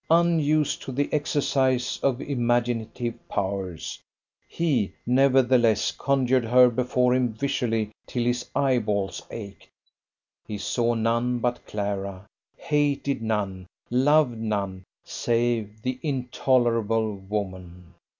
Unused to the exercise of imaginative powers, he nevertheless conjured her before him visually till his eyeballs ached. He saw none but Clara, hated none, loved none, save the intolerable woman.